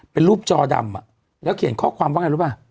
เป็นรูปจอดำแล้วเขียนข้อความว่าไงรู้ป่ะ